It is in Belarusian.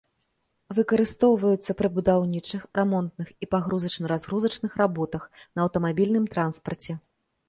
Выкарыстоўваюцца пры будаўнічых, рамонтных і пагрузачна-разгрузачных работах, на аўтамабільным транспарце.